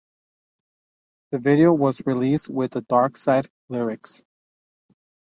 The video was released with the "Darkseid" lyrics.